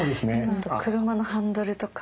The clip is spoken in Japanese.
今だと車のハンドルとか。